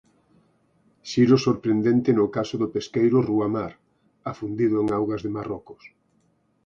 Xiro sorprendente no caso do pesqueiro Rúa Mar, afundido en augas de Marrocos.